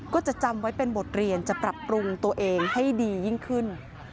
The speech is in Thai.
ก็จะจำไว้เป็นบทเรียนจะปรับปรุงตัวเองให้ดียิ่งขึ้น